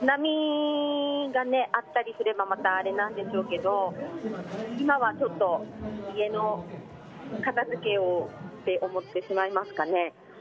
津波があったりすればまた、あれなんでしょうけど今は、ちょっと家の片付けをと思ってしまいますかね。